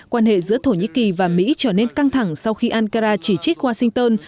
quan hệ giữa thổ nhĩ kỳ và mỹ trở nên căng thẳng sau khi ankara chỉ trích washington